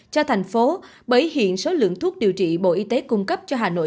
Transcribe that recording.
cho thành phố bởi hiện số lượng thuốc điều trị bộ y tế cung cấp cho hà nội